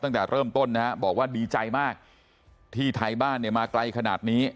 ตั้งแต่เริ่มต้นนะฮะบอกว่าดีใจมากที่ไทยบ้านเนี่ยมาไกลขนาดนี้